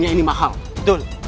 ini mahal betul